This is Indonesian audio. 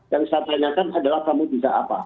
yang saya tanyakan adalah kamu bisa apa